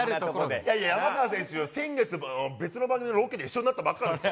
いやいや、山川選手、先月、別の番組のロケで一緒になったばっかなんですよ。